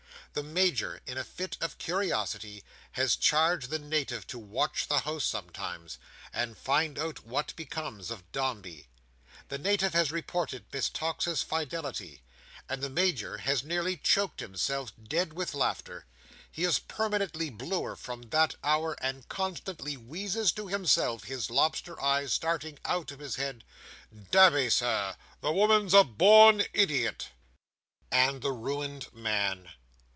The Major, in a fit of curiosity, has charged the Native to watch the house sometimes, and find out what becomes of Dombey. The Native has reported Miss Tox's fidelity, and the Major has nearly choked himself dead with laughter. He is permanently bluer from that hour, and constantly wheezes to himself, his lobster eyes starting out of his head, "Damme, Sir, the woman's a born idiot!" And the ruined man.